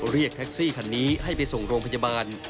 เรียกแท็กซี่คันนี้ให้ไปส่งโรงพยาบาล